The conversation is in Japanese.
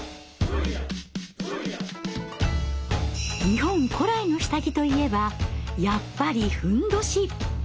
日本古来の下着といえばやっぱり褌。